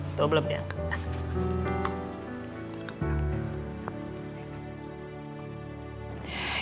itu belum diangkat